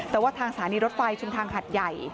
แต่ว่าทางสถานีรถไฟชุมทางหัดใหญ่